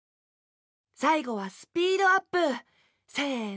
さいごはスピードアップ！せの！